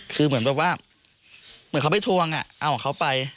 คือเหมือนแบบว่าเหมือนเขาไปทวงเอาของเขาไป